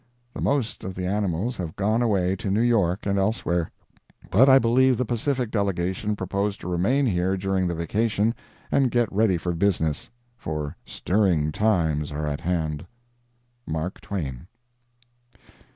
The most of the animals have gone away to New York and elsewhere. But I believe the Pacific delegation propose to remain here during the vacation and get ready for business—for stirring times are at hand. MARK TWAIN.